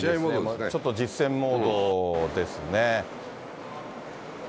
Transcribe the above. ちょっと実戦モードですね。